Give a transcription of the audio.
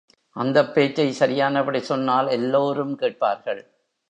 அந்தப் பேச்சை சரியானபடி சொன்னால் எல்லோரும் கேட்பார்கள்.